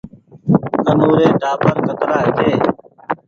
آنو ري ٽآٻر ڪترآ هيتي